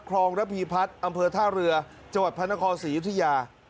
รองระพีพัฒน์อำเภอท่าเรือจังหวัดพระนครศรียุธยา